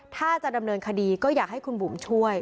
ถ้าจะดำเนินคดีก็อยากให้คุณบุ๋มช่วย